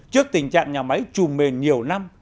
trước tình trạng nhà máy trùm mền nhiều năm